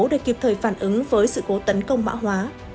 để kịp thời phản ứng với sự cố tấn công mã hóa